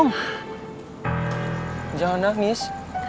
kau jahat tau gak